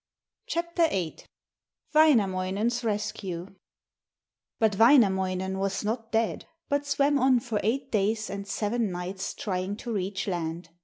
WAINAMOINEN'S RESCUE But Wainamoinen was not dead, but swam on for eight days and seven nights trying to reach land.